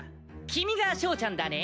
君がショーちゃんだね。